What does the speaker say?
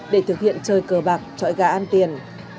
để thực hiện chơi cờ bạc trọi gà ăn tiền